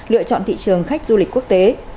lựa chọn thị trường khách du lịch quốc tế